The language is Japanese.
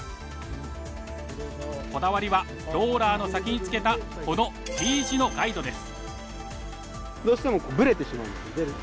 こだわりはローラーの先につけたこのＴ字のガイドです。